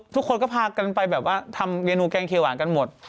ทุกคนก็พากันไปแบบว่าทำเมนูแกงเขียวหวานกันหมด